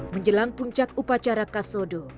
menjelang puncak upacara kasodo